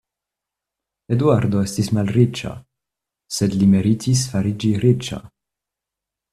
Eduardo estis malriĉa; sed li meritis fariĝi riĉa.